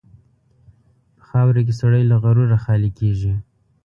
په خاوره کې سړی له غروره خالي کېږي.